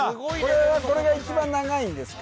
これはこれが一番長いんですか？